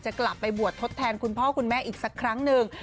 กลับไปบวชทดแทนคุณพ่อคุณแม่อีกสักครั้งหนึ่ง